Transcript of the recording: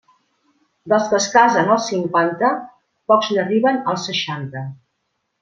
Dels que es casen als cinquanta, pocs n'arriben als seixanta.